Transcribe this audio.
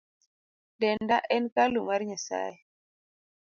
Denda en kalu mar nyasae.